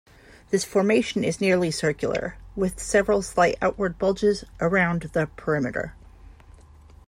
This formation is nearly circular with several slight outward bulges around the perimeter.